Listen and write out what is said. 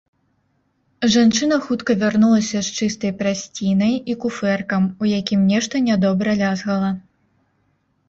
Жанчына хутка вярнулася з чыстай прастцінай і куфэркам, у якім нешта нядобра лязгала.